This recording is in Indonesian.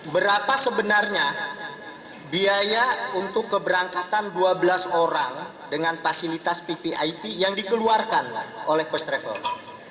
berapa sebenarnya biaya untuk keberangkatan dua belas orang dengan fasilitas ppip yang dikeluarkan oleh first travel